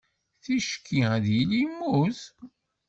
Ticki, ad yili yemmut.